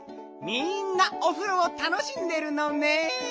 みんなおふろをたのしんでるのね。